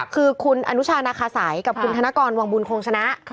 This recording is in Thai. คือคุณอนุชานาคาสัยกับคุณธนกรวังบุญคงชนะ